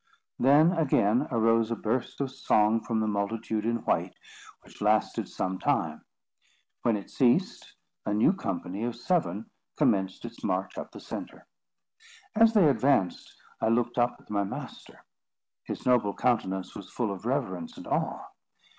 Then, again, arose a burst of song from the multitude in white, which lasted some time. When it ceased, a new company of seven commenced its march up the centre. As they advanced, I looked up at my master: his noble countenance was full of reverence and awe.